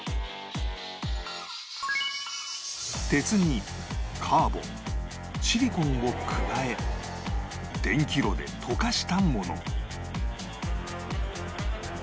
鉄にカーボンシリコンを加え電気炉で溶かしたもの